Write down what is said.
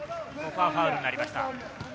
ファウルになりました。